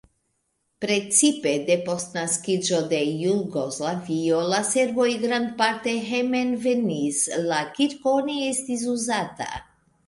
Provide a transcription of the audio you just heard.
Precipe depost naskiĝo de Jugoslavio la serboj grandparte hejmenvenis, la kirko ne estis uzata.